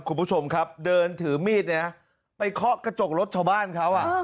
คุณผู้ชมครับเดินถือมีดเนี่ยไปเคาะกระจกรถชาวบ้านเขาอ่ะ